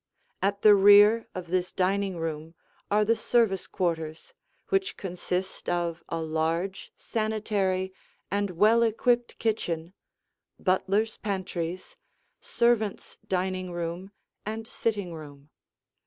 At the rear of this dining room are the service quarters which consist of a large, sanitary, and well equipped kitchen, butlers' pantries, servants' dining room and sitting room.